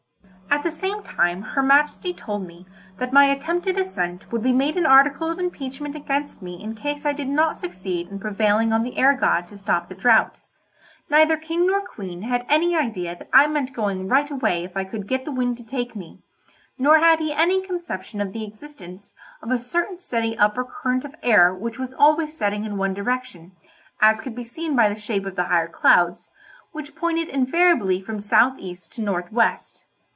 At the same time her Majesty told me that my attempted ascent would be made an article of impeachment against me in case I did not succeed in prevailing on the air god to stop the drought. Neither King nor Queen had any idea that I meant going right away if I could get the wind to take me, nor had he any conception of the existence of a certain steady upper current of air which was always setting in one direction, as could be seen by the shape of the higher clouds, which pointed invariably from south east to north west.